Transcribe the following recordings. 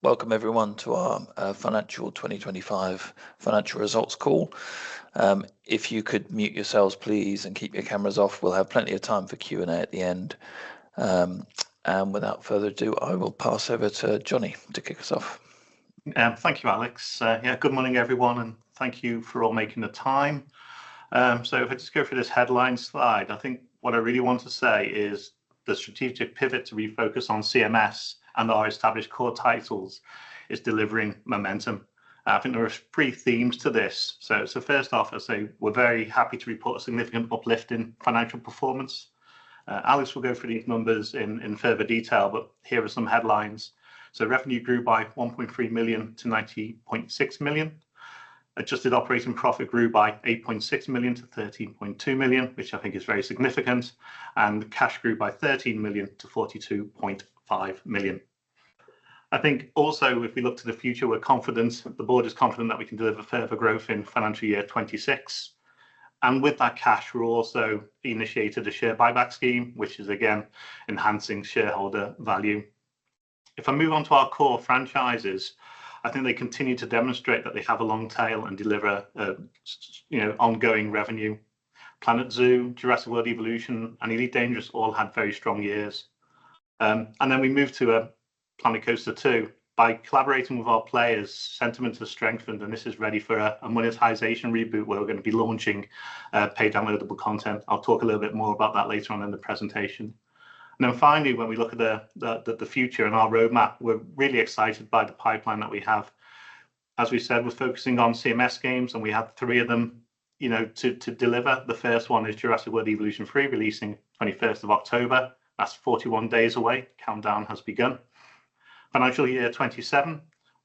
Welcome, everyone, to our FY 2025 Financial Results Call. If you could mute yourselves, please, and keep your cameras off. We'll have plenty of time for Q&A at the end. And without further ado, I will pass over to Jonny to kick us off. Thank you, Alex. Yeah, good morning, everyone, and thank you for all making the time. So if I just go through this headline slide, I think what I really want to say is the strategic pivot to refocus on CMS and our established core titles is delivering momentum. I think there are three themes to this. So first off, I'll say we're very happy to report a significant uplift in financial performance. Alex will go through these numbers in further detail, but here are some headlines. So revenue grew by 1.3 million to 90.6 million. Adjusted operating profit grew by 8.6 million to 13.2 million, which I think is very significant. And cash grew by 13 million to 42.5 million. I think also, if we look to the future, we're confident the board is confident that we can deliver further growth in financial year 2026. And with that cash, we're also initiated a share buyback scheme, which is again enhancing shareholder value. If I move on to our core franchises, I think they continue to demonstrate that they have a long tail and deliver ongoing revenue. Planet Zoo, Jurassic World Evolution, and Elite Dangerous all had very strong years. And then we move to Planet Coaster 2. By collaborating with our players, sentiment has strengthened, and this is ready for a monetization reboot where we're going to be launching paid downloadable content. I'll talk a little bit more about that later on in the presentation. And then finally, when we look at the future and our roadmap, we're really excited by the pipeline that we have. As we said, we're focusing on CMS games, and we have three of them to deliver. The first one is Jurassic World Evolution 3, releasing 21st of October. That's 41 days away. Countdown has begun. Financial year 27,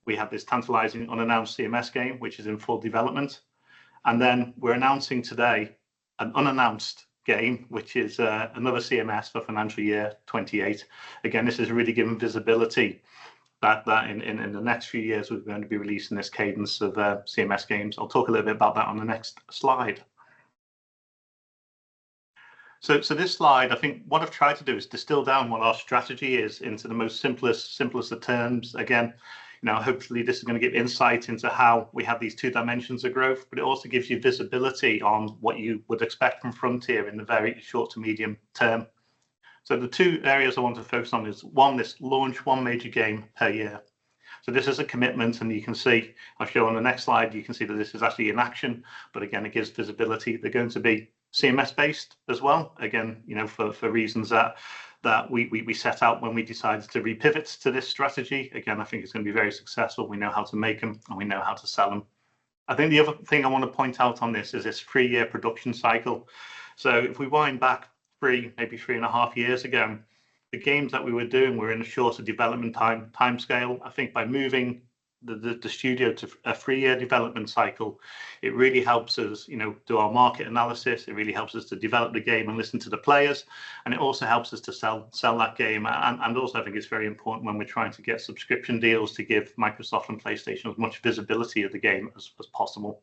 we have this tantalizing unannounced CMS game, which is in full development, and then we're announcing today an unannounced game, which is another CMS for financial year 28. Again, this has really given visibility that in the next few years, we're going to be releasing this cadence of CMS games. I'll talk a little bit about that on the next slide, so this slide, I think what I've tried to do is distill down what our strategy is into the most simplest of terms. Again, hopefully, this is going to give insight into how we have these two dimensions of growth, but it also gives you visibility on what you would expect from Frontier in the very short to medium term, so the two areas I want to focus on is, one, this launch one major game per year. So this is a commitment, and you can see. I'll show on the next slide you can see that this is actually in action, but again, it gives visibility. They're going to be CMS-based as well, again, for reasons that we set out when we decided to repivot to this strategy. Again, I think it's going to be very successful. We know how to make them, and we know how to sell them. I think the other thing I want to point out on this is this three-year production cycle. So if we wind back three, maybe three and a half years ago, the games that we were doing were in a shorter development time scale. I think by moving the studio to a three-year development cycle, it really helps us do our market analysis. It really helps us to develop the game and listen to the players. And it also helps us to sell that game. And also, I think it's very important when we're trying to get subscription deals to give Microsoft and PlayStation as much visibility of the game as possible.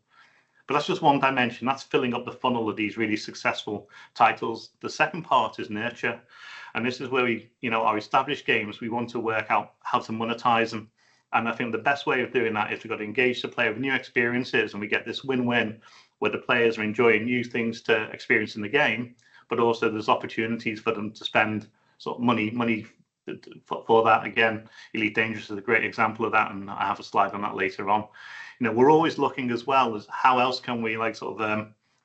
But that's just one dimension. That's filling up the funnel of these really successful titles. The second part is nurture. And this is where our established games, we want to work out how to monetize them. And I think the best way of doing that is we've got to engage the player with new experiences, and we get this win-win where the players are enjoying new things to experience in the game, but also there's opportunities for them to spend money for that. Again, Elite Dangerous is a great example of that, and I have a slide on that later on. We're always looking as well as how else can we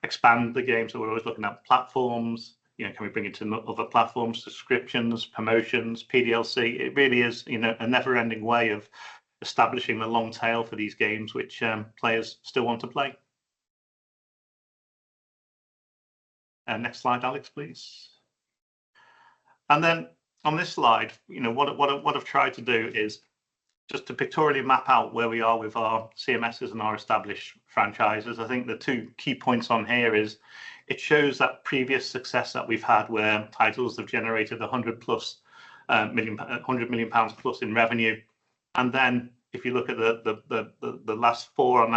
expand the game. So we're always looking at platforms. Can we bring it to other platforms, subscriptions, promotions, PDLC? It really is a never-ending way of establishing the long tail for these games which players still want to play. Next slide, Alex, please. And then on this slide, what I've tried to do is just to pictorially map out where we are with our CMSs and our established franchises. I think the two key points on here is it shows that previous success that we've had where titles have generated 100+ million GBP+ in revenue. And then if you look at the last four on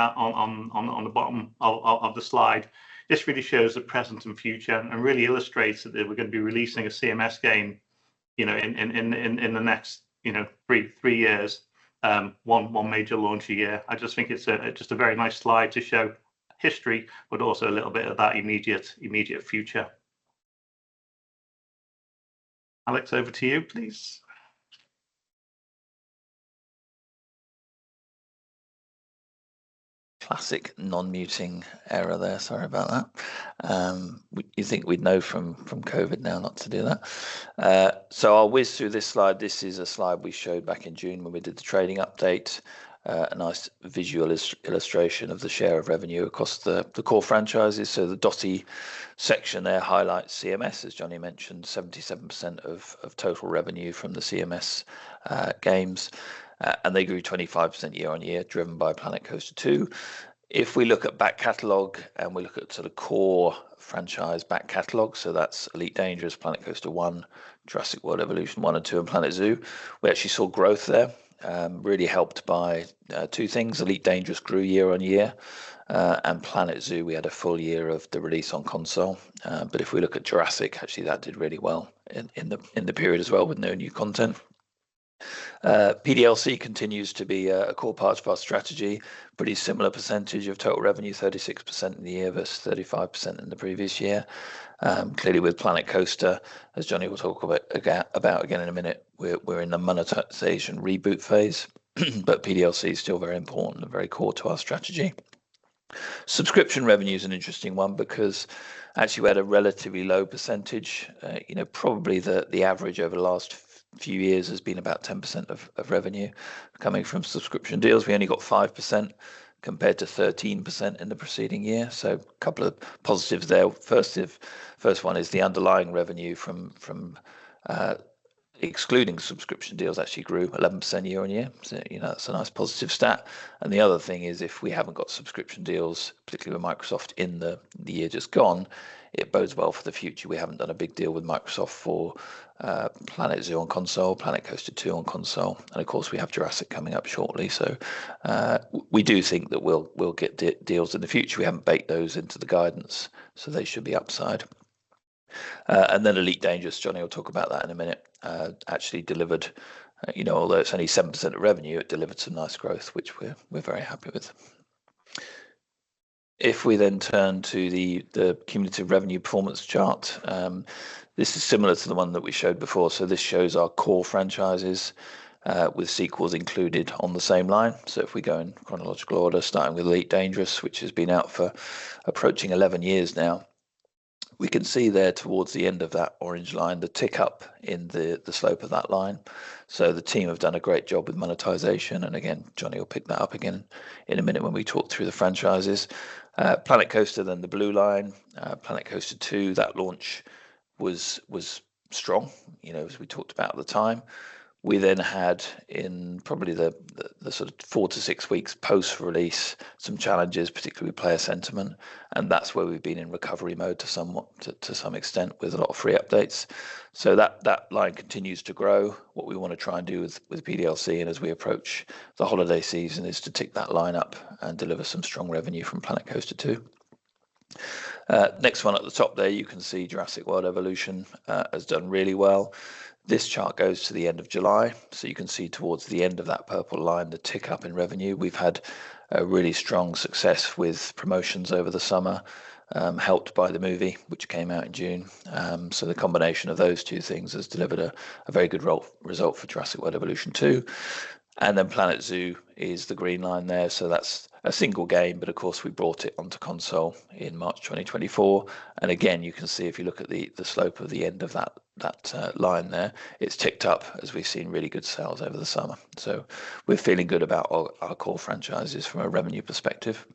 the bottom of the slide, this really shows the present and future and really illustrates that we're going to be releasing a CMS game in the next three years, one major launch a year. I just think it's just a very nice slide to show history, but also a little bit of that immediate future. Alex, over to you, please. Classic non-muting error there. Sorry about that. You think we'd know from COVID now not to do that. So I'll whiz through this slide. This is a slide we showed back in June when we did the trading update, a nice visual illustration of the share of revenue across the core franchises. So the dotted section there highlights CMS, as Jonny mentioned, 77% of total revenue from the CMS games, and they grew 25% year on year, driven by Planet Coaster 2. If we look at back catalog and we look at the core franchise back catalog, so that's Elite Dangerous, Planet Coaster 1, Jurassic World Evolution 1 and 2, and Planet Zoo, we actually saw growth there, really helped by two things. Elite Dangerous grew year on year, and Planet Zoo, we had a full year of the release on console. But if we look at Jurassic, actually that did really well in the period as well with no new content. PDLC continues to be a core part of our strategy, pretty similar percentage of total revenue, 36% in the year versus 35% in the previous year. Clearly, with Planet Coaster, as Jonny will talk about again in a minute, we're in the monetization reboot phase, but PDLC is still very important and very core to our strategy. Subscription revenue is an interesting one because actually we had a relatively low percentage. Probably the average over the last few years has been about 10% of revenue coming from subscription deals. We only got 5% compared to 13% in the preceding year. So a couple of positives there. First one is the underlying revenue from excluding subscription deals actually grew 11% year on year. That's a nice positive stat. And the other thing is if we haven't got subscription deals, particularly with Microsoft in the year just gone, it bodes well for the future. We haven't done a big deal with Microsoft for Planet Zoo on console, Planet Coaster 2 on console. And of course, we have Jurassic coming up shortly. So we do think that we'll get deals in the future. We haven't baked those into the guidance, so they should be upside. And then Elite Dangerous, Jonny will talk about that in a minute, actually delivered, although it's only 7% of revenue, it delivered some nice growth, which we're very happy with. If we then turn to the cumulative revenue performance chart, this is similar to the one that we showed before. So this shows our core franchises with sequels included on the same line. So if we go in chronological order, starting with Elite Dangerous, which has been out for approaching 11 years now, we can see there towards the end of that orange line, the tick up in the slope of that line. So the team have done a great job with monetization. And again, Jonny will pick that up again in a minute when we talk through the franchises. Planet Coaster, then the blue line, Planet Coaster 2, that launch was strong, as we talked about at the time. We then had in probably the four to six weeks post-release some challenges, particularly player sentiment. And that's where we've been in recovery mode to some extent with a lot of free updates. So that line continues to grow. What we want to try and do with PDLC and as we approach the holiday season is to tick that line up and deliver some strong revenue from Planet Coaster 2. Next one at the top there, you can see Jurassic World Evolution has done really well. This chart goes to the end of July. So you can see towards the end of that purple line, the tick up in revenue. We've had a really strong success with promotions over the summer, helped by the movie, which came out in June. So the combination of those two things has delivered a very good result for Jurassic World Evolution 2, and then Planet Zoo is the green line there. So that's a single game, but of course, we brought it onto console in March 2024. Again, you can see if you look at the slope of the end of that line there. It's ticked up as we've seen really good sales over the summer. We're feeling good about our core franchises from a revenue perspective.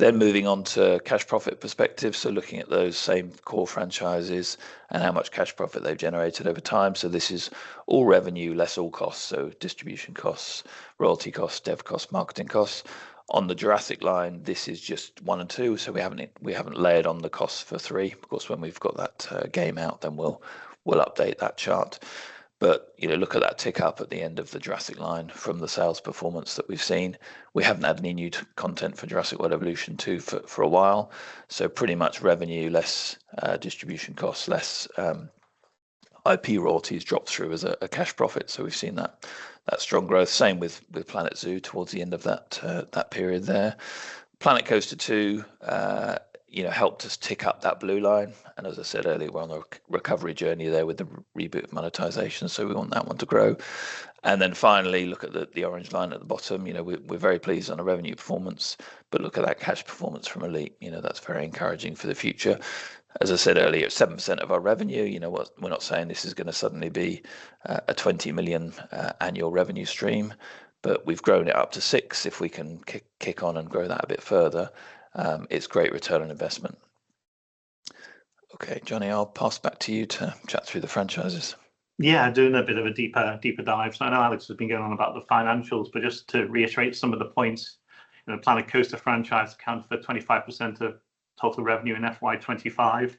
Moving on to cash profit perspective, looking at those same core franchises and how much cash profit they've generated over time. This is all revenue, less all costs, so distribution costs, royalty costs, dev costs, marketing costs. On the Jurassic line, this is just one and two, so we haven't layered on the costs for three. Of course, when we've got that game out, then we'll update that chart. Look at that tick up at the end of the Jurassic line from the sales performance that we've seen. We haven't had any new content for Jurassic World Evolution 2 for a while. So pretty much revenue, less distribution costs, less IP royalties, drop through as a cash profit. So we've seen that strong growth. Same with Planet Zoo towards the end of that period there. Planet Coaster 2 helped us tick up that blue line. And as I said earlier, we're on a recovery journey there with the reboot monetization. So we want that one to grow. And then finally, look at the orange line at the bottom. We're very pleased on a revenue performance, but look at that cash performance from Elite. That's very encouraging for the future. As I said earlier, 7% of our revenue. We're not saying this is going to suddenly be a 20 million annual revenue stream, but we've grown it up to six if we can kick on and grow that a bit further. It's great return on investment. Okay, Jonny, I'll pass back to you to chat through the franchises. Yeah, doing a bit of a deeper dive so I know Alex has been going on about the financials, but just to reiterate some of the points, Planet Coaster franchise accounts for 25% of total revenue in FY25,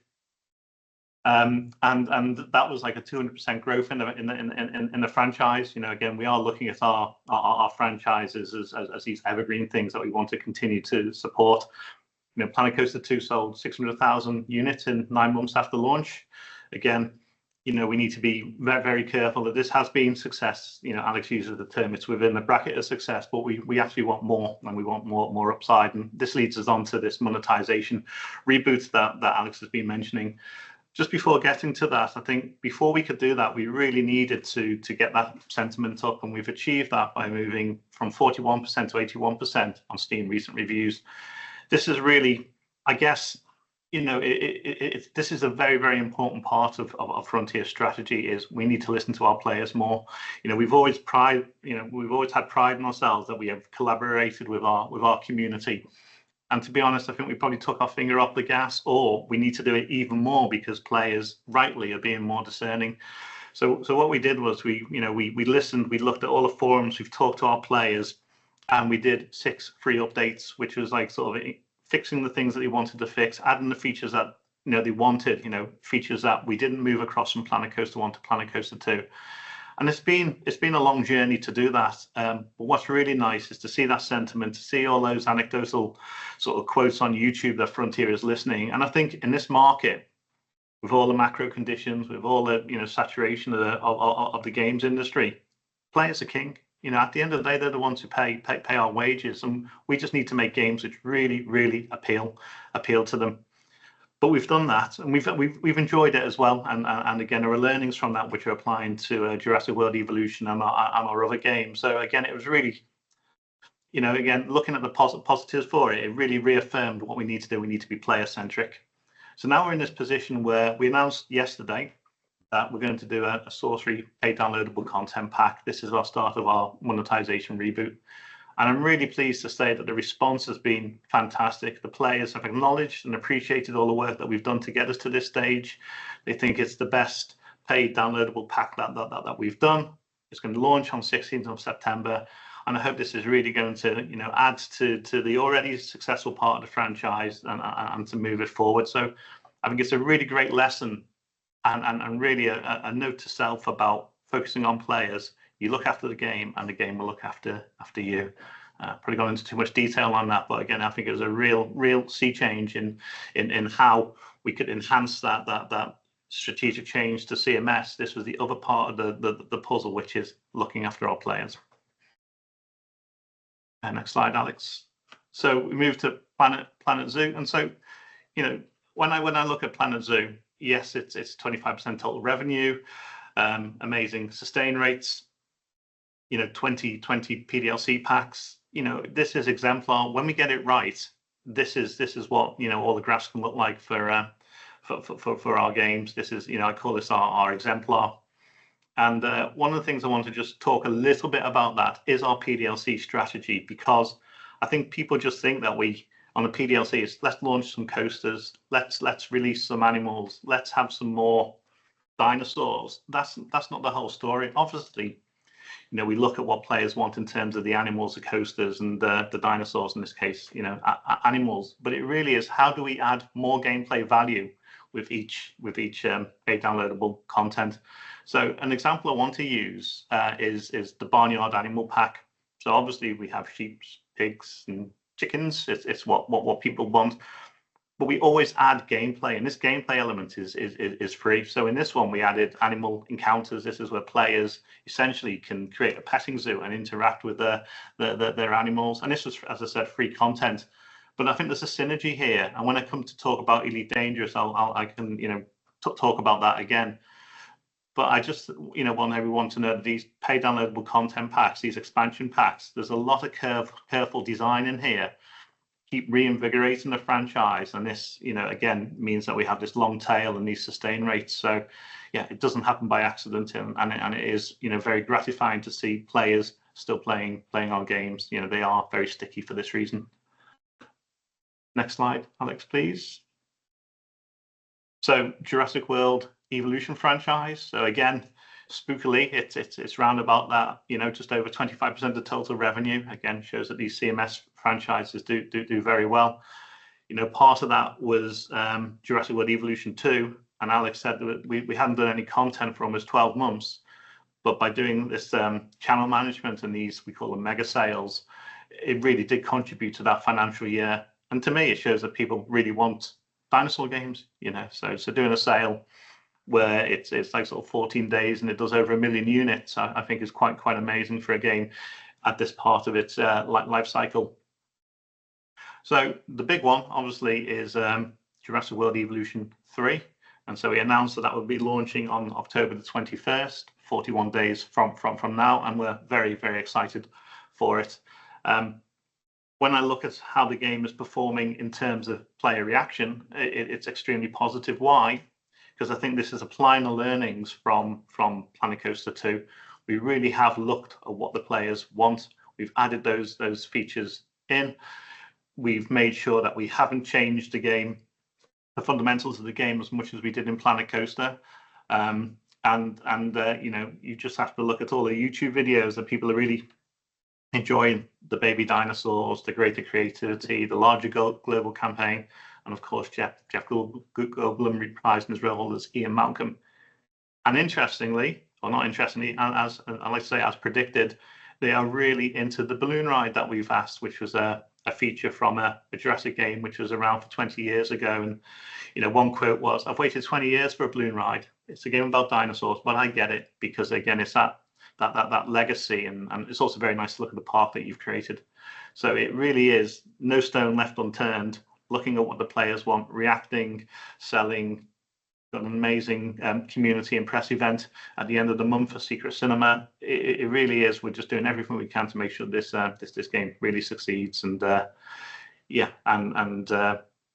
and that was like a 200% growth in the franchise. Again, we are looking at our franchises as these evergreen things that we want to continue to support. Planet Coaster 2 sold 600,000 units in nine months after launch. Again, we need to be very careful that this has been success. Alex uses the term, it's within the bracket of success, but we actually want more, and we want more upside, and this leads us on to this monetization reboot that Alex has been mentioning. Just before getting to that, I think before we could do that, we really needed to get that sentiment up, and we've achieved that by moving from 41% to 81% on Steam recent reviews. This is really, I guess, this is a very, very important part of Frontier's strategy is we need to listen to our players more. We've always had pride in ourselves that we have collaborated with our community, and to be honest, I think we probably took our finger off the gas, or we need to do it even more because players rightly are being more discerning. So what we did was we listened, we looked at all the forums, we've talked to our players, and we did six free updates, which was like sort of fixing the things that they wanted to fix, adding the features that they wanted, features that we didn't move across from Planet Coaster 1 to Planet Coaster 2. And it's been a long journey to do that. But what's really nice is to see that sentiment, to see all those anecdotal sort of quotes on YouTube that Frontier is listening. And I think in this market, with all the macro conditions, with all the saturation of the games industry, players are king. At the end of the day, they're the ones who pay our wages. And we just need to make games which really, really appeal to them. But we've done that, and we've enjoyed it as well. Again, there are learnings from that which are applying to Jurassic World Evolution and our other games. So again, it was really, again, looking at the positives for it. It really reaffirmed what we need to do. We need to be player-centric. Now we're in this position where we announced yesterday that we're going to do a paid downloadable content pack. This is our start of our monetization reboot. I'm really pleased to say that the response has been fantastic. The players have acknowledged and appreciated all the work that we've done to get us to this stage. They think it's the best paid downloadable pack that we've done. It's going to launch on 16th of September. I hope this is really going to add to the already successful part of the franchise and to move it forward. So I think it's a really great lesson and really a note to self about focusing on players. You look after the game, and the game will look after you. Probably going into too much detail on that, but again, I think it was a real sea change in how we could enhance that strategic change to CMS. This was the other part of the puzzle, which is looking after our players. Next slide, Alex. So we moved to Planet Zoo. And so when I look at Planet Zoo, yes, it's 25% total revenue, amazing sustain rates, 20 PDLC packs. This is exemplar. When we get it right, this is what all the graphs can look like for our games. I call this our exemplar. One of the things I want to just talk a little bit about that is our PDLC strategy because I think people just think that on the PDLC, let's launch some coasters, let's release some animals, let's have some more dinosaurs. That's not the whole story. Obviously, we look at what players want in terms of the animals, the coasters, and the dinosaurs, in this case, animals. It really is how do we add more gameplay value with each pay-downloadable content. An example I want to use is the Barnyard Animal Pack. Obviously, we have sheep, pigs, and chickens. It's what people want. We always add gameplay. This gameplay element is free. In this one, we added animal encounters. This is where players essentially can create a petting zoo and interact with their animals. This was, as I said, free content. But I think there's a synergy here. And when I come to talk about Elite Dangerous, I can talk about that again. But I just want everyone to know that these paid downloadable content packs, these expansion packs, there's a lot of careful design in here. Keep reinvigorating the franchise. And this, again, means that we have this long tail and these sustain rates. So yeah, it doesn't happen by accident. And it is very gratifying to see players still playing our games. They are very sticky for this reason. Next slide, Alex, please. So Jurassic World Evolution franchise. So again, spookily, it's round about that. Just over 25% of total revenue, again, shows that these CMS franchises do very well. Part of that was Jurassic World Evolution 2. And Alex said that we hadn't done any content for almost 12 months. But by doing this channel management and these, we call them mega sales, it really did contribute to that financial year. And to me, it shows that people really want dinosaur games. So doing a sale where it's like sort of 14 days and it does over a million units, I think is quite amazing for a game at this part of its life cycle. So the big one, obviously, is Jurassic World Evolution 3. And so we announced that that would be launching on October the 21st, 41 days from now. And we're very, very excited for it. When I look at how the game is performing in terms of player reaction, it's extremely positive. Why? Because I think this is applying the learnings from Planet Coaster 2. We really have looked at what the players want. We've added those features in. We've made sure that we haven't changed the game, the fundamentals of the game, as much as we did in Planet Coaster. And you just have to look at all the YouTube videos that people are really enjoying, the baby dinosaurs, the greater creativity, the larger global campaign. And of course, Jeff Goldblum reprised in his role as Ian Malcolm. And interestingly, or not interestingly, as I say, as predicted, they are really into the balloon ride that we've asked, which was a feature from a Jurassic game, which was around for 20 years ago. And one quote was, "I've waited 20 years for a balloon ride. It's a game about dinosaurs, but I get it because, again, it's that legacy." And it's also very nice to look at the path that you've created. So it really is no stone left unturned, looking at what the players want, reacting, selling. Got an amazing community impress event at the end of the month for Secret Cinema. It really is. We're just doing everything we can to make sure this game really succeeds. And yeah, and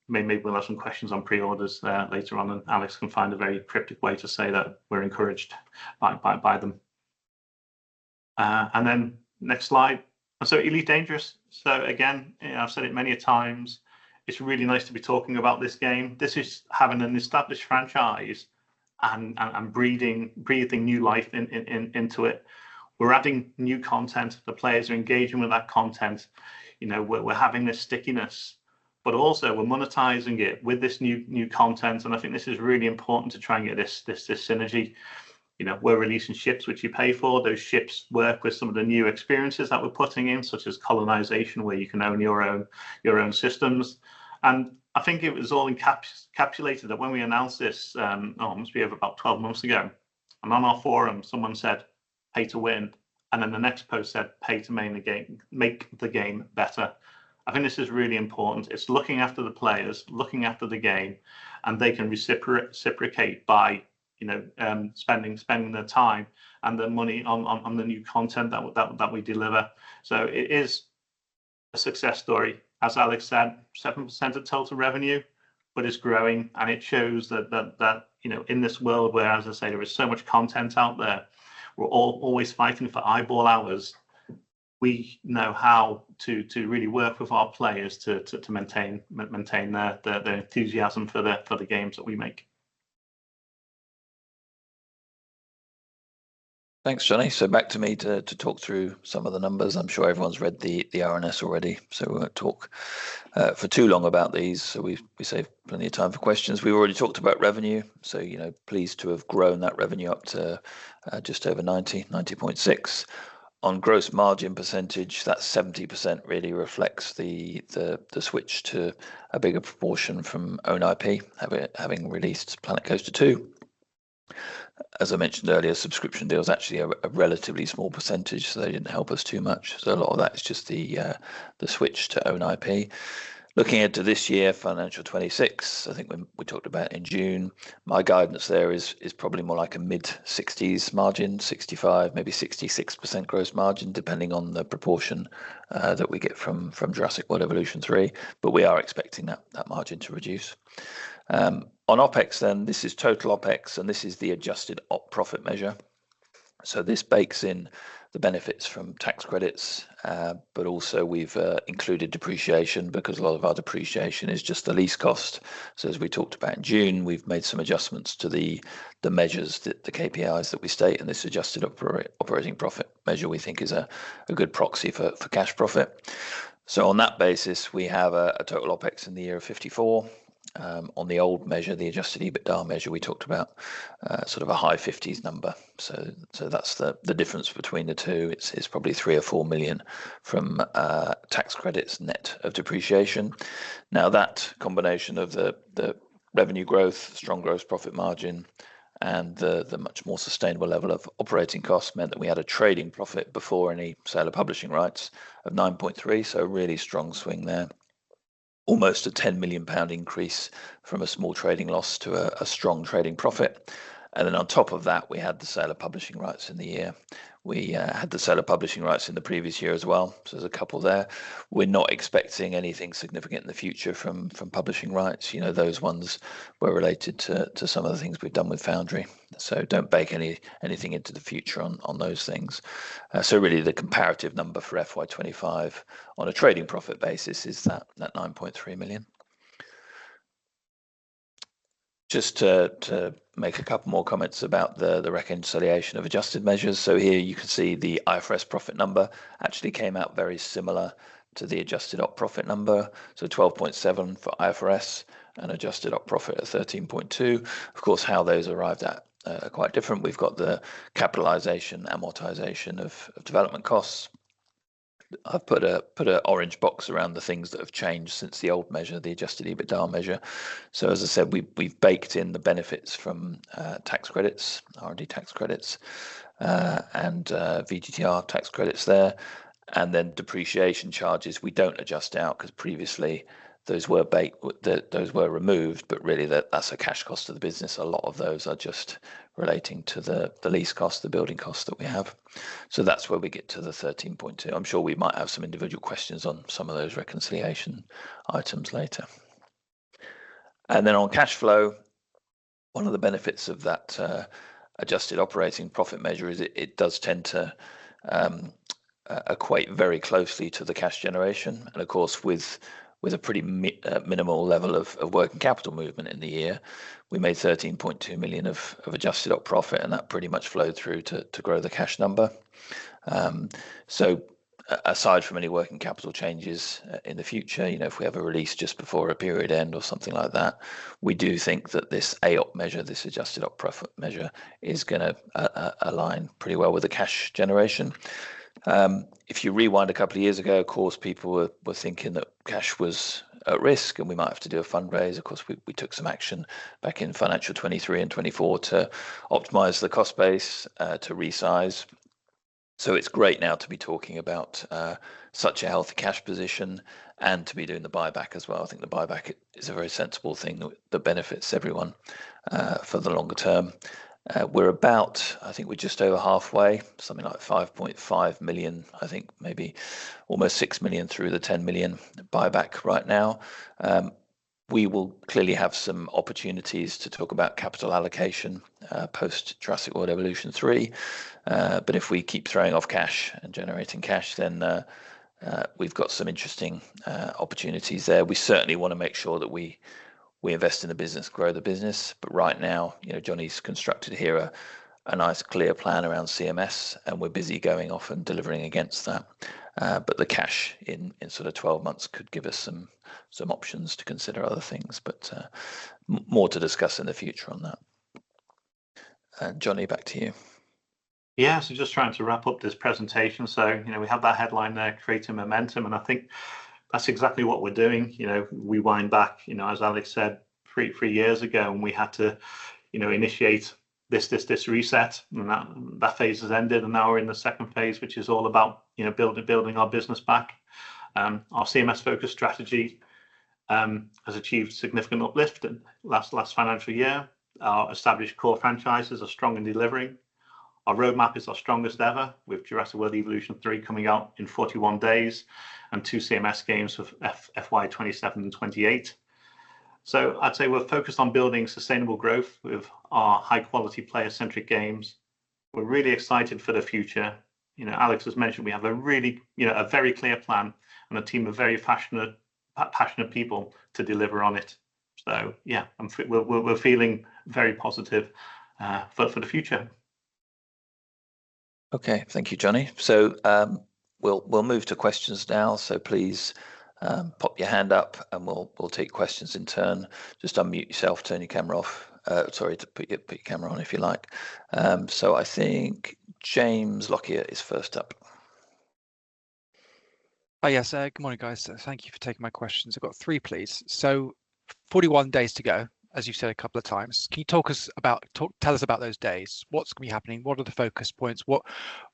maybe we'll have some questions on pre-orders later on. And Alex can find a very cryptic way to say that we're encouraged by them. And then next slide. So Elite Dangerous. So again, I've said it many times. It's really nice to be talking about this game. This is having an established franchise and breathing new life into it. We're adding new content. The players are engaging with that content. We're having this stickiness, but also we're monetizing it with this new content. And I think this is really important to try and get this synergy. We're releasing ships, which you pay for. Those ships work with some of the new experiences that we're putting in, such as colonization, where you can own your own systems. And I think it was all encapsulated that when we announced this, oh, it must be about 12 months ago. And on our forum, someone said, "pay to win." And then the next post said, "Pay to make the game better." I think this is really important. It's looking after the players, looking after the game, and they can reciprocate by spending their time and their money on the new content that we deliver. So it is a success story, as Alex said, 7% of total revenue, but it's growing. And it shows that in this world where, as I say, there is so much content out there, we're always fighting for eyeball hours. We know how to really work with our players to maintain the enthusiasm for the games that we make. Thanks, Jonny. So back to me to talk through some of the numbers. I'm sure everyone's read the RNS already. So we won't talk for too long about these. So we save plenty of time for questions. We've already talked about revenue. So pleased to have grown that revenue up to just over £90 million, £90.6 million. On gross margin percentage, that 70% really reflects the switch to a bigger proportion from own IP having released Planet Coaster 2. As I mentioned earlier, subscription deals are actually a relatively small percentage, so they didn't help us too much. So a lot of that is just the switch to own IP. Looking at this year, financial 26, I think we talked about in June, my guidance there is probably more like a mid-60s margin, 65%, maybe 66% gross margin, depending on the proportion that we get from Jurassic World Evolution 3. But we are expecting that margin to reduce. On OpEx, then, this is total OpEx, and this is the adjusted profit measure. So this bakes in the benefits from tax credits, but also we've included depreciation because a lot of our depreciation is just the lease cost. So as we talked about in June, we've made some adjustments to the measures, the KPIs that we state. And this adjusted operating profit measure we think is a good proxy for cash profit. So on that basis, we have a total OpEx in the year of 54. On the old measure, the adjusted EBITDA measure we talked about, sort of a high 50s number. So that's the difference between the two. It's probably three or four million from tax credits net of depreciation. Now, that combination of the revenue growth, strong gross profit margin, and the much more sustainable level of operating costs meant that we had a trading profit before any sale of publishing rights of 9.3. So a really strong swing there. Almost a 10 million pound increase from a small trading loss to a strong trading profit. And then on top of that, we had the sale of publishing rights in the year. We had the sale of publishing rights in the previous year as well. So there's a couple there. We're not expecting anything significant in the future from publishing rights. Those ones were related to some of the things we've done with Foundry. So don't bake anything into the future on those things. So really, the comparative number for FY25 on a trading profit basis is that 9.3 million. Just to make a couple more comments about the reconciliation of adjusted measures. So here you can see the IFRS profit number actually came out very similar to the adjusted op profit number. So 12.7 for IFRS and adjusted op profit at 13.2. Of course, how those arrived at are quite different. We've got the capitalization, amortization of development costs. I've put an orange box around the things that have changed since the old measure, the adjusted EBITDA measure. So as I said, we've baked in the benefits from tax credits, R&D tax credits, and VGTR tax credits there. And then depreciation charges, we don't adjust out because previously those were removed, but really that's a cash cost of the business. A lot of those are just relating to the lease cost, the building costs that we have. So that's where we get to the 13.2. I'm sure we might have some individual questions on some of those reconciliation items later. And then on cash flow, one of the benefits of that adjusted operating profit measure is it does tend to equate very closely to the cash generation. And of course, with a pretty minimal level of working capital movement in the year, we made 13.2 million of adjusted op profit, and that pretty much flowed through to grow the cash number. So aside from any working capital changes in the future, if we have a release just before a period end or something like that, we do think that this AOP measure, this adjusted op profit measure, is going to align pretty well with the cash generation. If you rewind a couple of years ago, of course, people were thinking that cash was at risk and we might have to do a fundraise. Of course, we took some action back in financial 2023 and 2024 to optimize the cost base to resize. So it's great now to be talking about such a healthy cash position and to be doing the buyback as well. I think the buyback is a very sensible thing that benefits everyone for the longer term. We're about, I think we're just over halfway, something like 5.5 million, I think maybe almost 6 million through the 10 million buyback right now. We will clearly have some opportunities to talk about capital allocation post Jurassic World Evolution 3. But if we keep throwing off cash and generating cash, then we've got some interesting opportunities there. We certainly want to make sure that we invest in the business, grow the business. But right now, Jonny's constructed here a nice clear plan around CMS, and we're busy going off and delivering against that. But the cash in sort of 12 months could give us some options to consider other things, but more to discuss in the future on that. Jonny, back to you. Yeah, so just trying to wrap up this presentation. So we have that headline there, creating momentum. And I think that's exactly what we're doing. We wind back, as Alex said, three years ago when we had to initiate this reset. And that phase has ended. And now we're in the second phase, which is all about building our business back. Our CMS-focused strategy has achieved significant uplift last financial year. Our established core franchises are strong and delivering. Our roadmap is our strongest ever with Jurassic World Evolution 3 coming out in 41 days and two CMS games for FY27 and 28. So I'd say we're focused on building sustainable growth with our high-quality player-centric games. We're really excited for the future. Alex has mentioned we have a very clear plan and a team of very passionate people to deliver on it. So yeah, we're feeling very positive for the future. Okay, thank you, Jonny. So we'll move to questions now. So please pop your hand up, and we'll take questions in turn. Just unmute yourself, turn your camera off. Sorry to ask you to turn your camera off if you like. So I think James Lockyer is first up. Hi, yes, good morning, guys. Thank you for taking my questions. I've got three, please. So 41 days to go, as you've said a couple of times. Can you talk us about, tell us about those days? What's going to be happening? What are the focus points?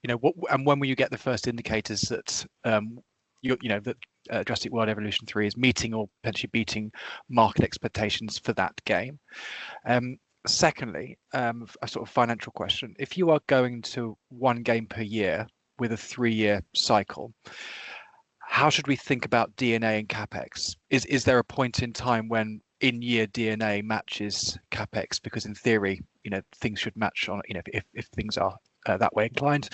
And when will you get the first indicators that Jurassic World Evolution 3 is meeting or potentially beating market expectations for that game? Secondly, a sort of financial question. If you are going to one game per year with a three-year cycle, how should we think about D&A and CapEx? Is there a point in time when in-year D&A matches CapEx? Because in theory, things should match if things are that way inclined.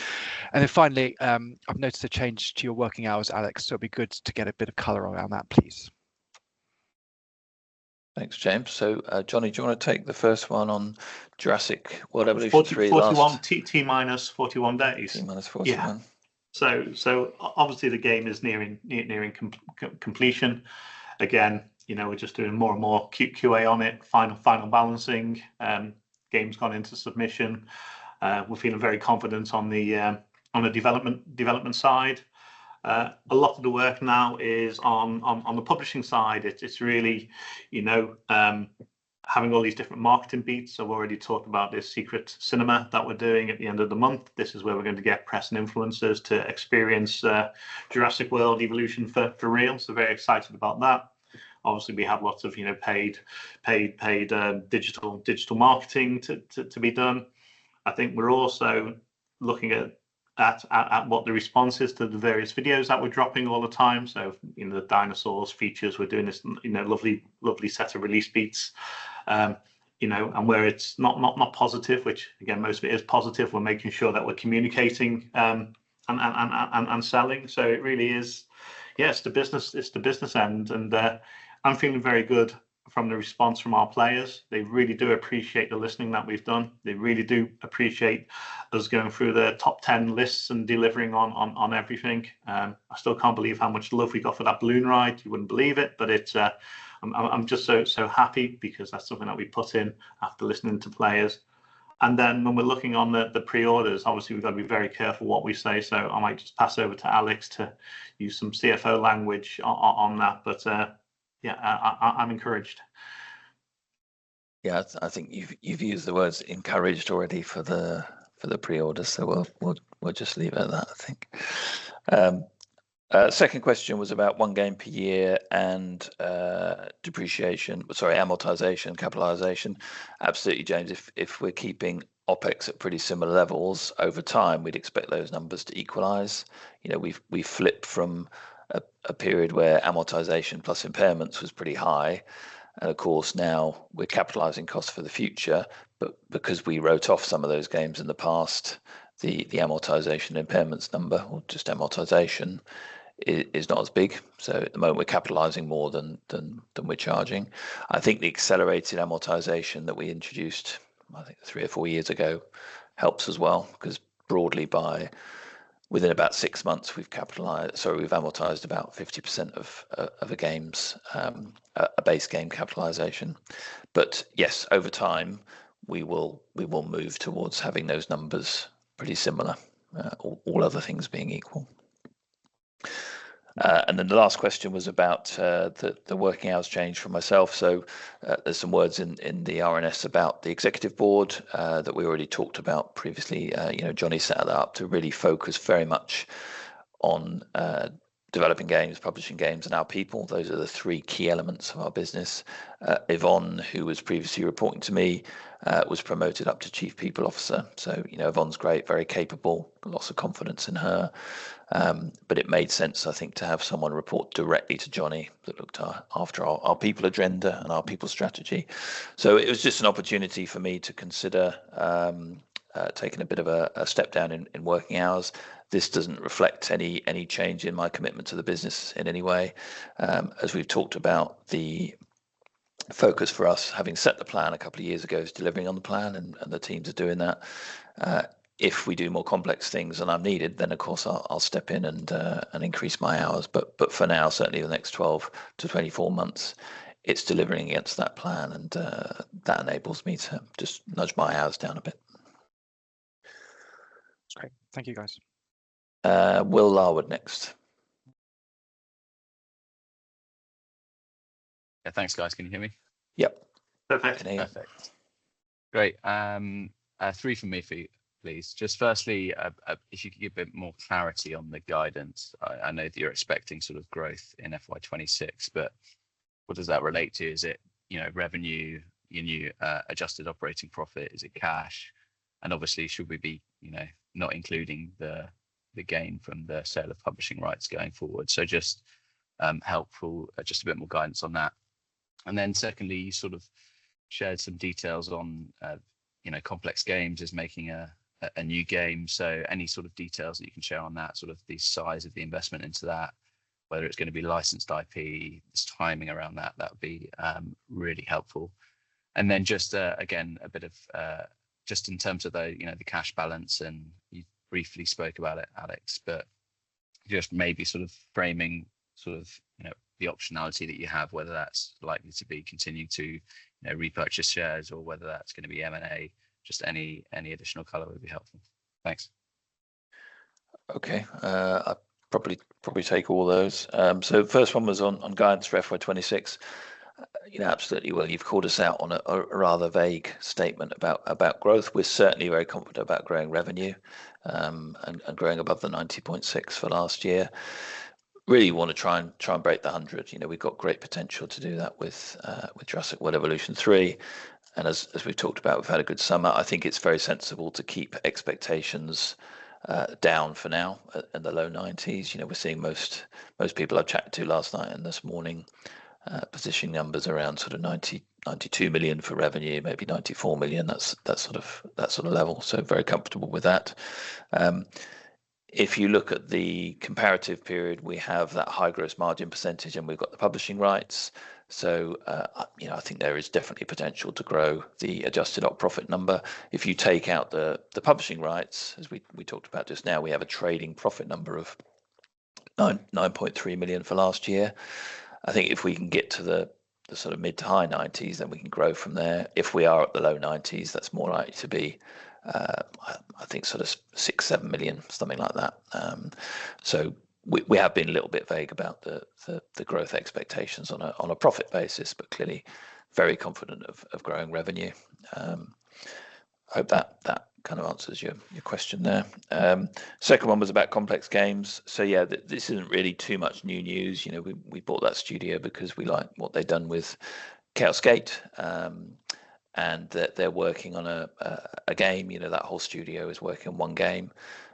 And then finally, I've noticed a change to your working hours, Alex. So it'd be good to get a bit of color around that, please. Thanks, James. So Jonny, do you want to take the first one on Jurassic World Evolution 3? 41 T minus 41 days. T minus 41. Yeah. So obviously, the game is nearing completion. Again, we're just doing more and more QA on it, final balancing. Game's gone into submission. We're feeling very confident on the development side. A lot of the work now is on the publishing side. It's really having all these different marketing beats. So we've already talked about this Secret Cinema that we're doing at the end of the month. This is where we're going to get press and influencers to experience Jurassic World Evolution for real. So very excited about that. Obviously, we have lots of paid digital marketing to be done. I think we're also looking at what the response is to the various videos that we're dropping all the time. So the dinosaurs features, we're doing this lovely set of release beats. And where it's not positive, which again, most of it is positive, we're making sure that we're communicating and selling. So it really is, yes, the business is the business end. And I'm feeling very good from the response from our players. They really do appreciate the listening that we've done. They really do appreciate us going through the top 10 lists and delivering on everything. I still can't believe how much love we got for that balloon ride. You wouldn't believe it, but I'm just so happy because that's something that we put in after listening to players. And then when we're looking on the pre-orders, obviously, we've got to be very careful what we say. So I might just pass over to Alex to use some CFO language on that. But yeah, I'm encouraged. Yeah, I think you've used the words encouraged already for the pre-order. So we'll just leave it at that, I think. Second question was about one game per year and depreciation, sorry, amortization, capitalization. Absolutely, James. If we're keeping OpEx at pretty similar levels over time, we'd expect those numbers to equalize. We've flipped from a period where amortization plus impairments was pretty high. And of course, now we're capitalizing costs for the future. But because we wrote off some of those games in the past, the amortization impairments number, or just amortization, is not as big. So at the moment, we're capitalizing more than we're charging. I think the accelerated amortization that we introduced, I think three or four years ago, helps as well because broadly, within about six months, we've capitalized about 50% of a game's base game capitalization. But yes, over time, we will move towards having those numbers pretty similar, all other things being equal. And then the last question was about the working hours change for myself. So there's some words in the RNS about the executive board that we already talked about previously. Jonny set that up to really focus very much on developing games, publishing games, and our people. Those are the three key elements of our business. Yvonne, who was previously reporting to me, was promoted up to Chief People Officer. So Yvonne's great, very capable, lots of confidence in her. But it made sense, I think, to have someone report directly to Jonny that looked after our people agenda and our people strategy. So it was just an opportunity for me to consider taking a bit of a step down in working hours. This doesn't reflect any change in my commitment to the business in any way. As we've talked about, the focus for us, having set the plan a couple of years ago, is delivering on the plan, and the teams are doing that. If we do more complex things and I'm needed, then of course, I'll step in and increase my hours. But for now, certainly the next 12-24 months, it's delivering against that plan, and that enables me to just nudge my hours down a bit. Great. Thank you, guys. Will Lahlou next. Yeah, thanks, guys. Can you hear me? Yep. Perfect. Perfect. Great. Three from me, please. Just firstly, if you could give a bit more clarity on the guidance. I know that you're expecting sort of growth in FY26, but what does that relate to? Is it revenue, your new Adjusted Operating Profit? Is it cash? And obviously, should we be not including the gain from the sale of publishing rights going forward? So just helpful, just a bit more guidance on that. And then secondly, you sort of shared some details on Complex Games as making a new game. So any sort of details that you can share on that, sort of the size of the investment into that, whether it's going to be licensed IP, this timing around that, that would be really helpful. And then just, again, a bit of just in terms of the cash balance, and you briefly spoke about it, Alex, but just maybe sort of framing sort of the optionality that you have, whether that's likely to be continuing to repurchase shares or whether that's going to be M&A, just any additional color would be helpful. Thanks. Okay. I'll probably take all those. So first one was on guidance for FY26. Absolutely. Well, you've called us out on a rather vague statement about growth. We're certainly very confident about growing revenue and growing above the 90.6 for last year. Really want to try and break the 100. We've got great potential to do that with Jurassic World Evolution 3. And as we've talked about, we've had a good summer. I think it's very sensible to keep expectations down for now in the low 90s. We're seeing most people I chatted to last night and this morning positioning numbers around sort of 92 million for revenue, maybe 94 million, that sort of level. So very comfortable with that. If you look at the comparative period, we have that high gross margin percentage, and we've got the publishing rights. So I think there is definitely potential to grow the Adjusted Operating Profit number. If you take out the publishing rights, as we talked about just now, we have a trading profit number of 9.3 million for last year. I think if we can get to the sort of mid to high 90s, then we can grow from there. If we are at the low 90s, that's more likely to be, I think, sort of six, seven million, something like that. So we have been a little bit vague about the growth expectations on a profit basis, but clearly very confident of growing revenue. I hope that kind of answers your question there. Second one was about Complex Games. So yeah, this isn't really too much new news. We bought that studio because we like what they've done with Chaos Gate, and they're working on a game. That whole studio is working on one game,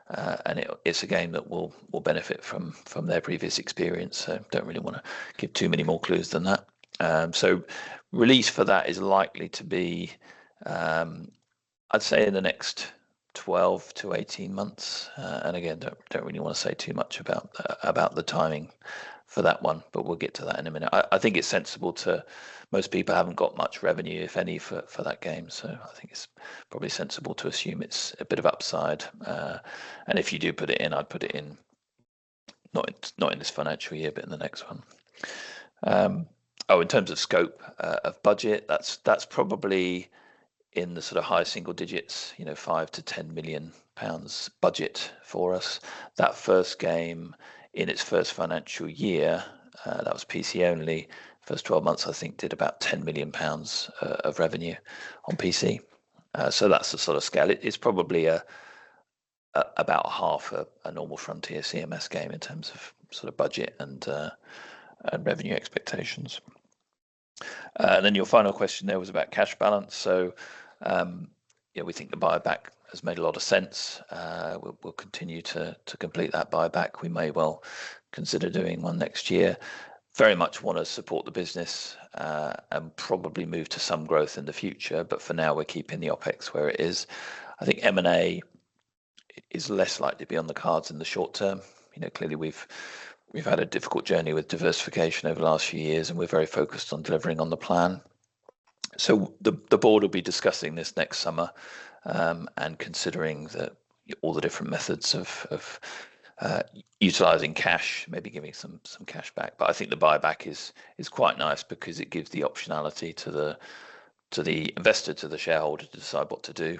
and it's a game that will benefit from their previous experience. So don't really want to give too many more clues than that. So release for that is likely to be, I'd say, in the next 12 to 18 months. And again, don't really want to say too much about the timing for that one, but we'll get to that in a minute. I think it's sensible to most people haven't got much revenue, if any, for that game. So I think it's probably sensible to assume it's a bit of upside. And if you do put it in, I'd put it in not in this financial year, but in the next one. Oh, in terms of scope of budget, that's probably in the sort of high single digits, 5 million-10 million pounds budget for us. That first game in its first financial year, that was PC only, first 12 months, I think, did about 10 million pounds of revenue on PC. So that's the sort of scale. It's probably about half a normal Frontier CMS game in terms of sort of budget and revenue expectations, and then your final question there was about cash balance, so we think the buyback has made a lot of sense. We'll continue to complete that buyback. We may well consider doing one next year. Very much want to support the business and probably move to some growth in the future, but for now, we're keeping the OpEx where it is. I think M&A is less likely to be on the cards in the short term. Clearly, we've had a difficult journey with diversification over the last few years, and we're very focused on delivering on the plan. So the board will be discussing this next summer and considering all the different methods of utilizing cash, maybe giving some cash back. But I think the buyback is quite nice because it gives the optionality to the investor, to the shareholder, to decide what to do.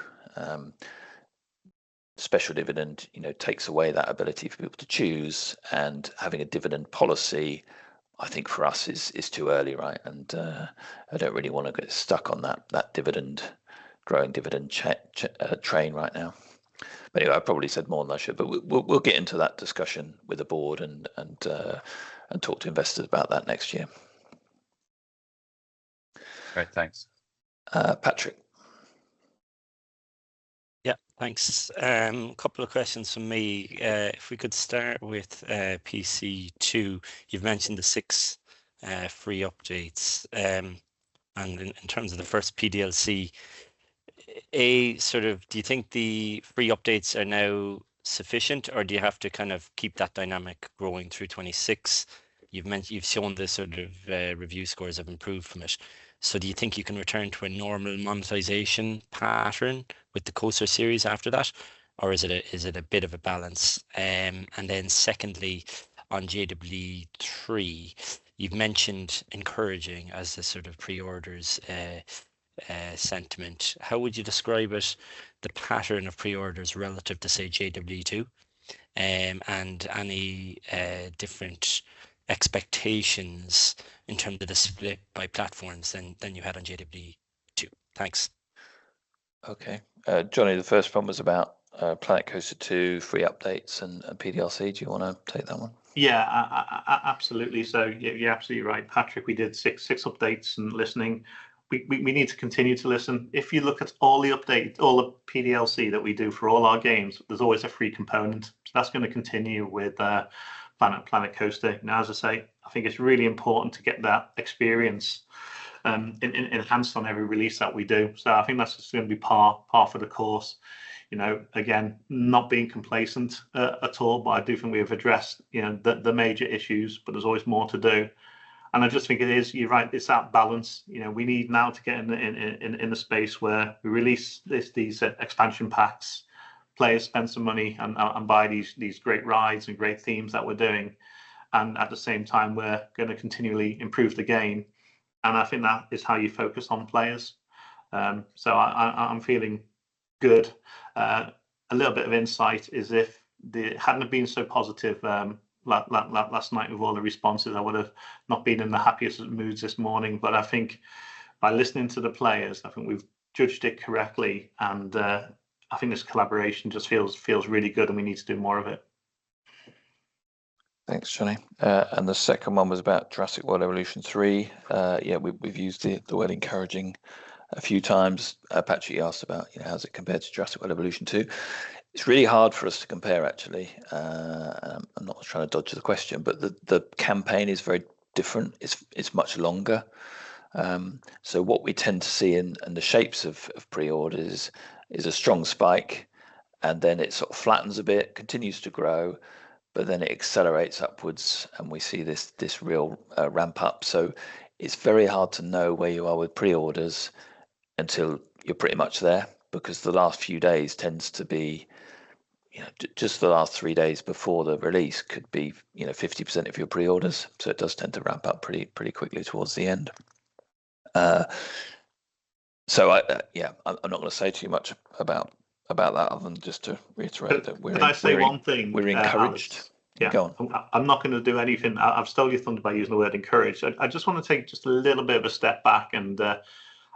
Special dividend takes away that ability for people to choose. And having a dividend policy, I think for us, is too early, right? And I don't really want to get stuck on that dividend, growing dividend train right now. But I probably said more than I should. But we'll get into that discussion with the board and talk to investors about that next year. Great. Thanks. Patrick. Yeah, thanks. A couple of questions for me. If we could start with PC2, you've mentioned the six free updates. And in terms of the first PDLC, do you think the free updates are now sufficient, or do you have to kind of keep that dynamic growing through 2026? You've shown the sort of review scores have improved from it. So do you think you can return to a normal monetization pattern with the Coaster series after that, or is it a bit of a balance? And then secondly, on JW3, you've mentioned encouraging as the sort of pre-orders sentiment. How would you describe the pattern of pre-orders relative to, say, JW2 and any different expectations in terms of the split by platforms than you had on JW2? Thanks. Okay. Jonny, the first one was about Planet Coaster 2, free updates, and PDLC. Do you want to take that one? Yeah, absolutely. So you're absolutely right, Patrick. We did six updates and listening. We need to continue to listen. If you look at all the updates, all the PDLC that we do for all our games, there's always a free component. So that's going to continue with Planet Coaster. Now, as I say, I think it's really important to get that experience enhanced on every release that we do. So I think that's just going to be par for the course. Again, not being complacent at all, but I do think we have addressed the major issues, but there's always more to do. And I just think it is, you're right, it's that balance. We need now to get in the space where we release these expansion packs, players spend some money and buy these great rides and great themes that we're doing. And at the same time, we're going to continually improve the game. And I think that is how you focus on players. So I'm feeling good. A little bit of insight is if it hadn't been so positive last night with all the responses, I would have not been in the happiest moods this morning. But I think by listening to the players, I think we've judged it correctly. And I think this collaboration just feels really good, and we need to do more of it. Thanks, Jonny. And the second one was about Jurassic World Evolution 3. Yeah, we've used the word encouraging a few times. Patrick, you asked about how's it compared to Jurassic World Evolution 2. It's really hard for us to compare, actually. I'm not trying to dodge the question, but the campaign is very different. It's much longer. So what we tend to see in the shapes of pre-orders is a strong spike, and then it sort of flattens a bit, continues to grow, but then it accelerates upwards, and we see this real ramp-up. So it's very hard to know where you are with pre-orders until you're pretty much there because the last few days tends to be just the last three days before the release could be 50% of your pre-orders. So it does tend to ramp up pretty quickly towards the end. So yeah, I'm not going to say too much about that other than just to reiterate that we're encouraged. Can I say one thing? We're encouraged. Yeah, go on. I'm not going to do anything. I've stole your thought by using the word encouraged. I just want to take just a little bit of a step back.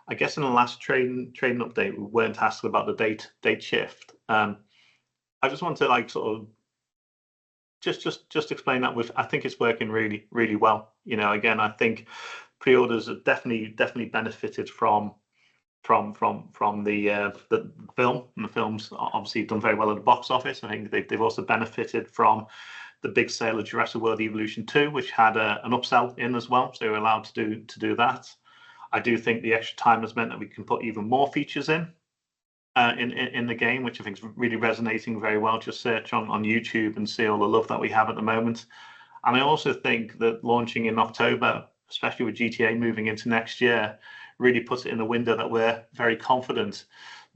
I guess in the last trading update, we weren't asked about the date shift. I just want to sort of just explain that I think it's working really, really well. Again, I think pre-orders have definitely benefited from the film. The film's obviously done very well at the box office. I think they've also benefited from the big sale of Jurassic World Evolution 2, which had an upsell in as well. So we were allowed to do that. I do think the extra time has meant that we can put even more features in the game, which I think is really resonating very well. Just search on YouTube and see all the love that we have at the moment. And I also think that launching in October, especially with GTA moving into next year, really puts it in the window that we're very confident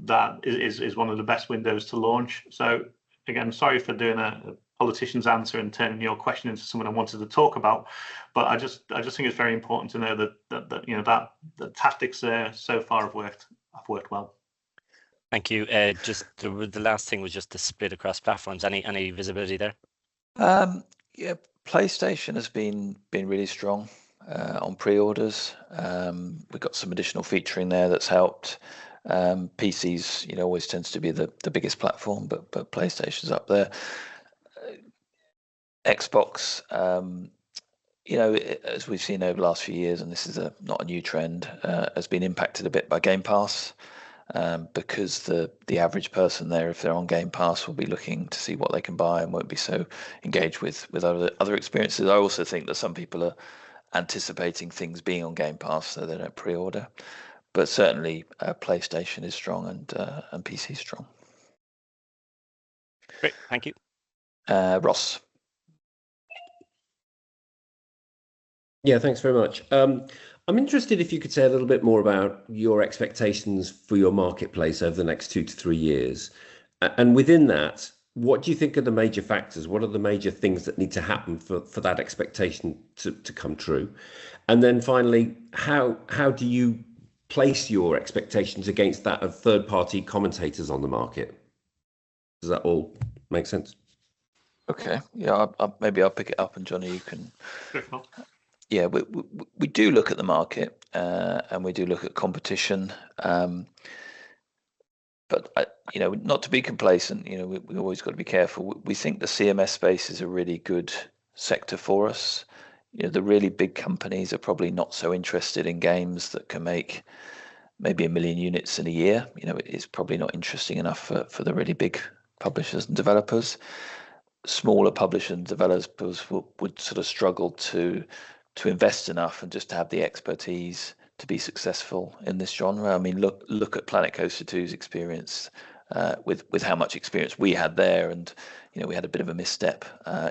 that is one of the best windows to launch. So again, sorry for doing a politician's answer and turning your question into someone I wanted to talk about, but I just think it's very important to know that the tactics so far have worked well. Thank you. Just the last thing was just the split across platforms. Any visibility there? Yeah. PlayStation has been really strong on pre-orders. We've got some additional featuring there that's helped. PCs always tends to be the biggest platform, but PlayStation's up there. Xbox, as we've seen over the last few years, and this is not a new trend, has been impacted a bit by Game Pass because the average person there, if they're on Game Pass, will be looking to see what they can buy and won't be so engaged with other experiences. I also think that some people are anticipating things being on Game Pass so they don't pre-order. But certainly, PlayStation is strong and PC is strong. Great. Thank you. Ross. Yeah, thanks very much. I'm interested if you could say a little bit more about your expectations for your marketplace over the next two to three years. And within that, what do you think are the major factors? What are the major things that need to happen for that expectation to come true? And then finally, how do you place your expectations against that of third-party commentators on the market? Does that all make sense? Okay. Yeah, maybe I'll pick it up, and Jonny, you can. Sure. Yeah. We do look at the market, and we do look at competition. But not to be complacent, we've always got to be careful. We think the CMS space is a really good sector for us. The really big companies are probably not so interested in games that can make maybe a million units in a year. It's probably not interesting enough for the really big publishers and developers. Smaller publishers and developers would sort of struggle to invest enough and just have the expertise to be successful in this genre. I mean, look at Planet Coaster 2's experience with how much experience we had there, and we had a bit of a misstep.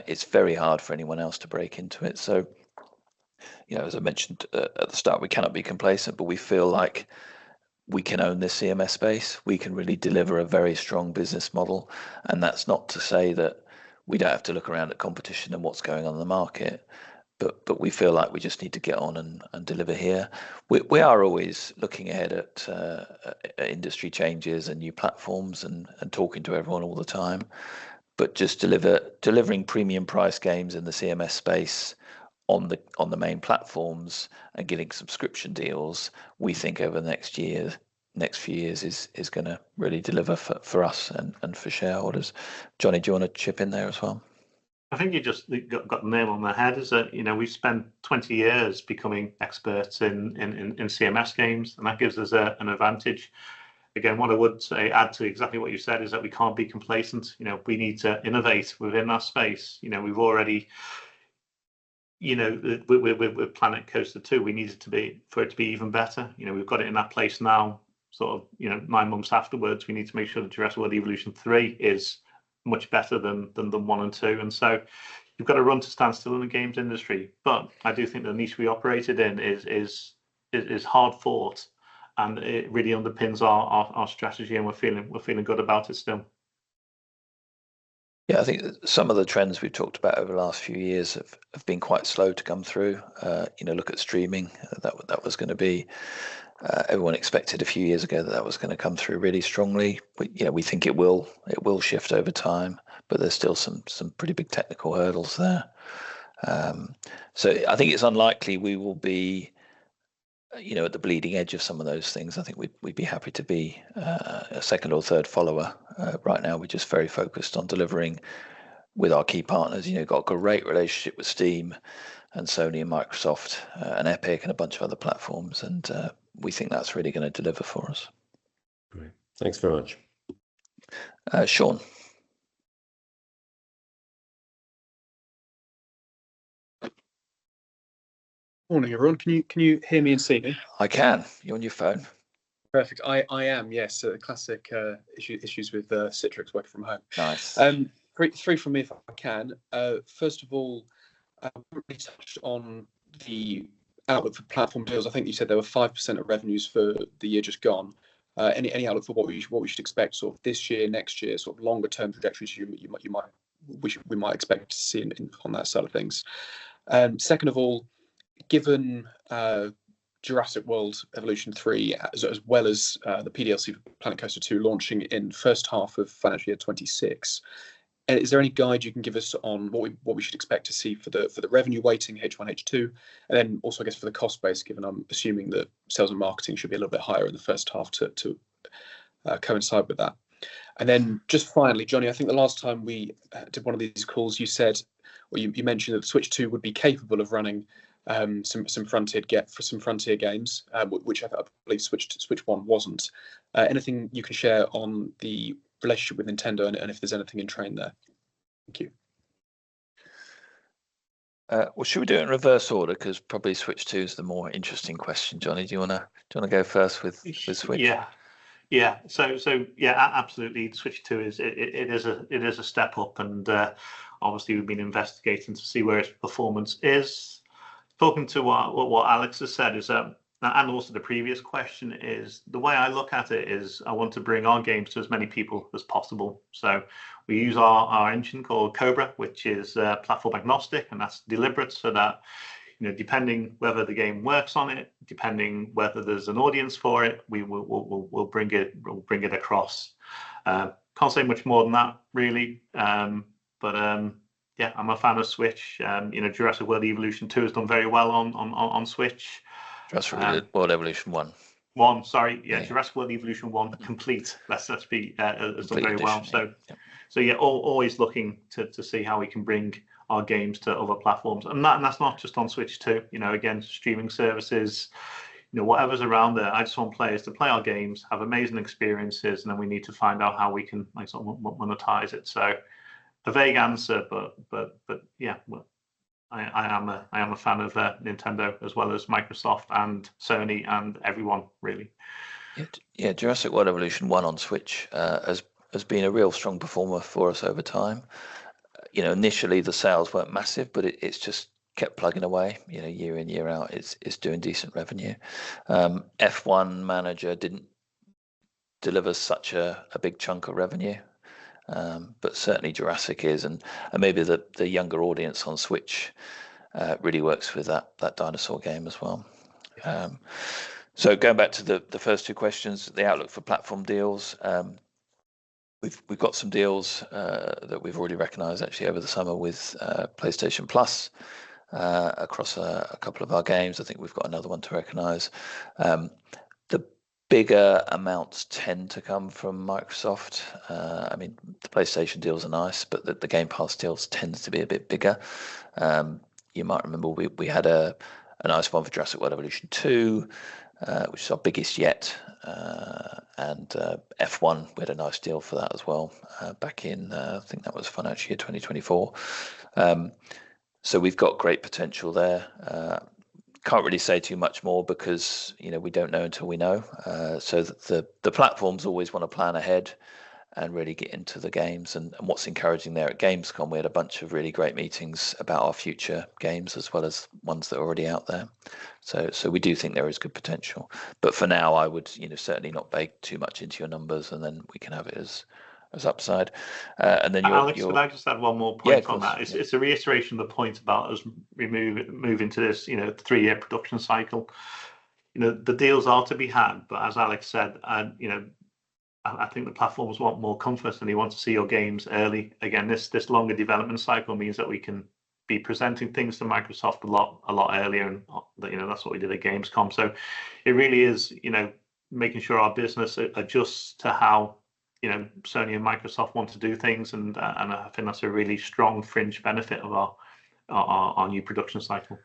It's very hard for anyone else to break into it. So as I mentioned at the start, we cannot be complacent, but we feel like we can own this CMS space. We can really deliver a very strong business model. And that's not to say that we don't have to look around at competition and what's going on in the market, but we feel like we just need to get on and deliver here. We are always looking ahead at industry changes and new platforms and talking to everyone all the time. But just delivering premium-priced games in the CMS space on the main platforms and getting subscription deals, we think over the next few years is going to really deliver for us and for shareholders. Jonny, do you want to chip in there as well? I think you just got the name on my head. We've spent 20 years becoming experts in CMS games, and that gives us an advantage. Again, what I would add to exactly what you said is that we can't be complacent. We need to innovate within our space. We've already with Planet Coaster 2, we needed for it to be even better. We've got it in that place now. Sort of nine months afterwards, we need to make sure that Jurassic World Evolution 3 is much better than 1 and 2. And so you've got to run to standstill in the games industry. But I do think the niche we operated in is hard-fought, and it really underpins our strategy, and we're feeling good about it still. Yeah, I think some of the trends we've talked about over the last few years have been quite slow to come through. Look at streaming. That was going to be; everyone expected a few years ago that that was going to come through really strongly. We think it will shift over time, but there's still some pretty big technical hurdles there. So I think it's unlikely we will be at the bleeding edge of some of those things. I think we'd be happy to be a second or third follower right now. We're just very focused on delivering with our key partners. Got a great relationship with Steam and Sony and Microsoft and Epic and a bunch of other platforms, and we think that's really going to deliver for us. Great. Thanks very much. Sean. Morning, everyone. Can you hear me and see me? I can. You're on your phone. Perfect. I am, yes. Classic issues with Citrix working from home. Nice. Three from me if I can. First of all, we touched on the outlook for platform deals. I think you said there were 5% of revenues for the year just gone. Any outlook for what we should expect sort of this year, next year, sort of longer-term trajectories you might expect to see on that side of things? Second of all, given Jurassic World Evolution 3 as well as the PDLC for Planet Coaster 2 launching in the first half of financial year 2026, is there any guide you can give us on what we should expect to see for the revenue weighting H1, H2? And then also, I guess, for the cost base, given I'm assuming that sales and marketing should be a little bit higher in the first half to coincide with that. Then just finally, Jonny, I think the last time we did one of these calls, you said or you mentioned that Switch 2 would be capable of running some Frontier games, which I believe Switch 1 wasn't. Anything you can share on the relationship with Nintendo and if there's anything in train there? Thank you. Should we do it in reverse order? Because probably Switch 2 is the more interesting question. Jonny, do you want to go first with Switch? Yeah. Yeah. So yeah, absolutely. Switch 2, it is a step up, and obviously we've been investigating to see where its performance is. Talking to what Alex has said, and also the previous question, the way I look at it is I want to bring our games to as many people as possible, so we use our engine called Cobra, which is platform agnostic, and that's deliberate so that depending whether the game works on it, depending whether there's an audience for it, we'll bring it across. Can't say much more than that, really, but yeah, I'm a fan of Switch. Jurassic World Evolution 2 has done very well on Switch. Jurassic World Evolution 1. One, sorry. Yeah, Jurassic World Evolution 1 Complete. That's done very well. So yeah, always looking to see how we can bring our games to other platforms. And that's not just on Switch 2. Again, streaming services, whatever's around there, I just want players to play our games, have amazing experiences, and then we need to find out how we can monetize it. So a vague answer, but yeah, I am a fan of Nintendo as well as Microsoft and Sony and everyone, really. Yeah, Jurassic World Evolution 1 on Switch has been a real strong performer for us over time. Initially, the sales weren't massive, but it's just kept plugging away year in, year out. It's doing decent revenue. F1 Manager didn't deliver such a big chunk of revenue, but certainly Jurassic is, and maybe the younger audience on Switch really works with that dinosaur game as well, so going back to the first two questions, the outlook for platform deals, we've got some deals that we've already recognized actually over the summer with PlayStation Plus across a couple of our games. I think we've got another one to recognize. The bigger amounts tend to come from Microsoft. I mean, the PlayStation deals are nice, but the Game Pass deals tend to be a bit bigger. You might remember we had a nice one for Jurassic World Evolution 2, which is our biggest yet, and F1, we had a nice deal for that as well back in, I think that was financial year 2024, so we've got great potential there. Can't really say too much more because we don't know until we know, so the platforms always want to plan ahead and really get into the games, and what's encouraging there at Gamescom, we had a bunch of really great meetings about our future games as well as ones that are already out there, so we do think there is good potential, but for now, I would certainly not bake too much into your numbers, and then we can have it as upside, and then you're. Alex, could I just add one more point on that? It's a reiteration of the point about us moving to this three-year production cycle. The deals are to be had, but as Alex said, I think the platforms want more confidence, and they want to see your games early. Again, this longer development cycle means that we can be presenting things to Microsoft a lot earlier, and that's what we did at Gamescom. So it really is making sure our business adjusts to how Sony and Microsoft want to do things. And I think that's a really strong fringe benefit of our new production cycle.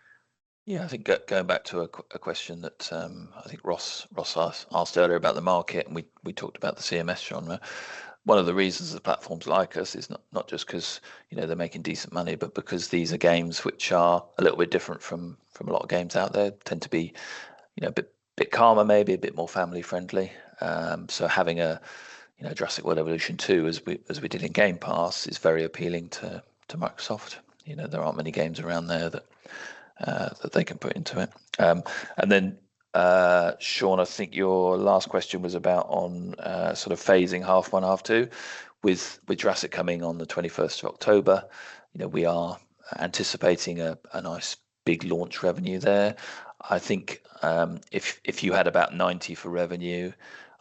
Yeah, I think going back to a question that I think Ross asked earlier about the market, and we talked about the CMS genre. One of the reasons the platforms like us is not just because they're making decent money, but because these are games which are a little bit different from a lot of games out there. They tend to be a bit calmer, maybe a bit more family-friendly. So having a Jurassic World Evolution 2, as we did in Game Pass, is very appealing to Microsoft. There aren't many games around there that they can put into it. And then, Sean, I think your last question was about sort of phasing half one, half two. With Jurassic coming on the 21st of October, we are anticipating a nice big launch revenue there. I think if you had about 90 for revenue,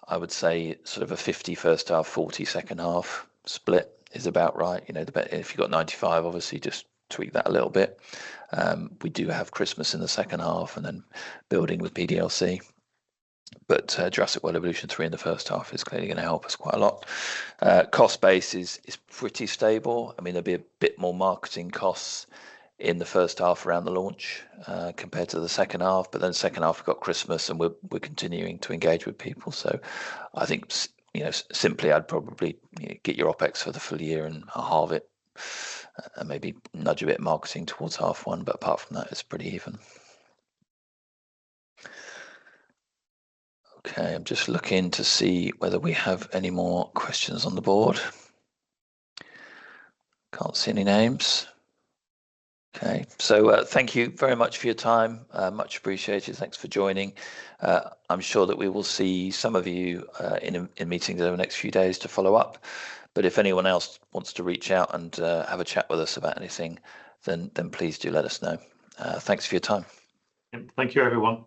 I would say sort of a 50 first half, 40 second half split is about right. If you've got 95, obviously, just tweak that a little bit. We do have Christmas in the second half and then building with PDLC. But Jurassic World Evolution 3 in the first half is clearly going to help us quite a lot. Cost base is pretty stable. I mean, there'll be a bit more marketing costs in the first half around the launch compared to the second half. But then second half, we've got Christmas, and we're continuing to engage with people. So I think simply, I'd probably get your OpEx for the full year and halve it and maybe nudge a bit of marketing towards half one. But apart from that, it's pretty even. Okay, I'm just looking to see whether we have any more questions on the board. Can't see any names. Okay. So thank you very much for your time. Much appreciated. Thanks for joining. I'm sure that we will see some of you in meetings over the next few days to follow up. But if anyone else wants to reach out and have a chat with us about anything, then please do let us know. Thanks for your time. Thank you, everyone.